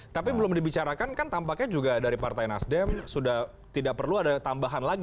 tapi belum dibicarakan kan tampaknya juga dari partai nasdem sudah tidak perlu ada tambahan lagi